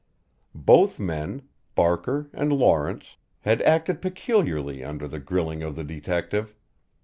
Both men Barker and Lawrence had acted peculiarly under the grilling of the detective.